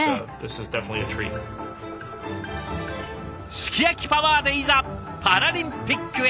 すき焼きパワーでいざパラリンピックへ！